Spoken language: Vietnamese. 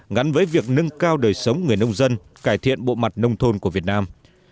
ngắn với việc nâng cao đời sống người nông dân cải thiện bộ mặt nông thôn của việt nam